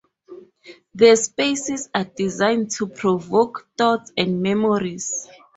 The spaces are designed to provoke thoughts and memories.